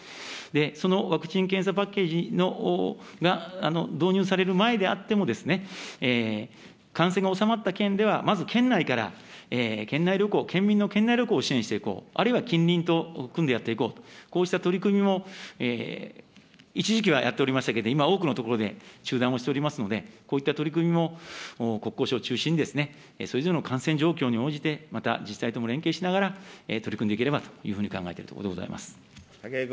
そのワクチン検査パッケージが導入される前であっても、感染が収まった県では、まず県内から県内旅行、県民の県内旅行を支援していこう、あるいは近隣と組んでやっていこう、こうした取り組みも一時期はやっておりましたけど、今、多くの所で中断をしておりますので、こういった取り組みも国交省を中心に、それぞれの感染状況に応じて、また自治体とも連携しながら、取り組んでいければというふうに考えているところでご武井君。